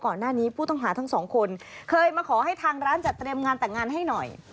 ก่อนหน้านี้ผู้ต้องหาทั้งสองคนเคยมาขอให้ทางร้านจัดเตรียมงานแต่งงานให้หน่อย